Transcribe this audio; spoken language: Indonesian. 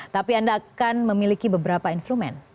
tapi anda akan memiliki beberapa instrumen